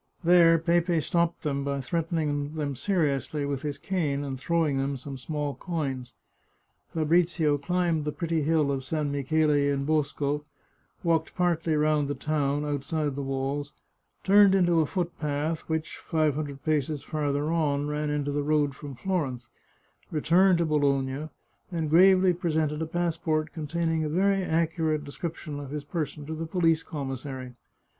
There Pepe stopped them by threatening them seriously with his cane and throwing them some small coins. Fabrizio climbed the pretty hill of San Michele in Bosco, walked partly round the town, outside the walls, turned into a foot path, which, five hundred paces farther on, ran into the road from Florence, returned to Bologna, and gravely presented a passport containing a very accurate description of his per son to the police commissary.